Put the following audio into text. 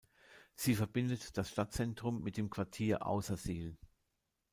Sie verbindet das Stadtzentrum mit dem Quartier Aussersihl.